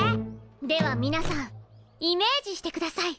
ではみなさんイメージしてください。